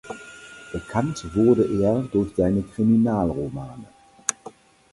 Bekannt wurde er durch seine Kriminalromane.